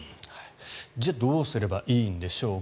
じゃあどうすればいいんでしょうか。